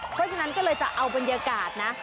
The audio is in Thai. เพราะฉะนั้นก็เลยจะเอาบรรยากาศนะ